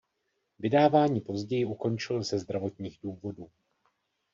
Vydávání později ukončil ze zdravotních důvodů.